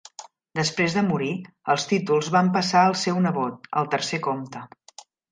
Després de morir, els títols van passar al seu nebot, el tercer comte.